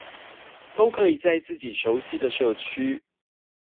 都可以在自己熟悉的社區